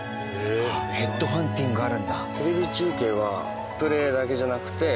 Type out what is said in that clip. ヘッドハンティングあるんだ。